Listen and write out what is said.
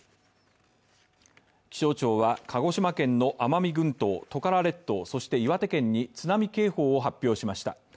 気象庁は、鹿児島県の奄美群島トカラ列島そして岩手県に津波警報を発表しました。